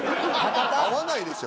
合わないでしょ。